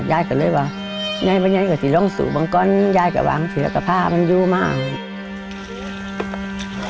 ยายก็เลยว่ายายมาที่รำสู่ยายก็ปล่อยเสื้อกะผ้าหมันอยู่มาก